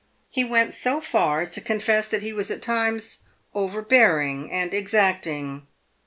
He went so far as to confess that he was at times overbearing and exacting.